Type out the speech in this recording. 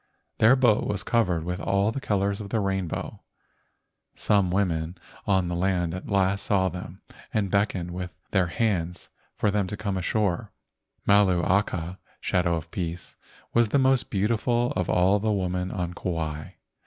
Their boat was covered with all the colors of the rainbow. Some women on land at last saw 138 LEGENDS OF GHOSTS them and beckoned with their hands for them to come ashore. Malu aka (shadow of peace) was the most beautiful of all the women on Kauai.